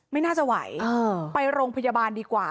ไม่น่าจะไหวไปโรงพยาบาลดีกว่า